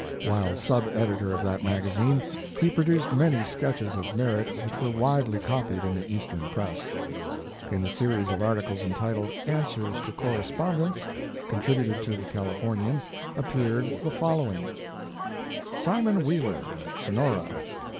While sub editor of that magazine he produced many sketches of merit which were widely copied in the Eastern press. In a series of articles entitled Answers to Correspondents," contributed to the Calif ornian^ appeared the following: SiMON WH^KivKR/ Sonora.